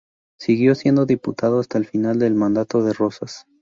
Siguió siendo diputado hasta el final del mandato de Rosas.